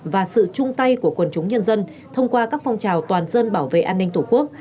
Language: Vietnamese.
và sự chung tay của quần chúng nhân dân thông qua các phong trào toàn dân bảo vệ an ninh tổ quốc